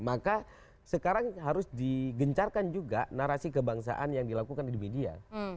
maka sekarang harus digencarkan juga narasi kebangsaan yang dilakukan di media